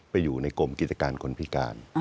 อยู่ในกรมกิจการคนพิการ